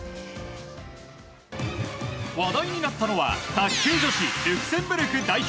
話題になったのは卓球女子ルクセンブルク代表